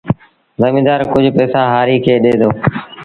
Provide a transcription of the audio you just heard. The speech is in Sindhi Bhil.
زميݩدآر ڪجھ پئيٚسآ هآريٚ کي ڏي دو